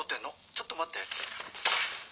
ちょっと待って。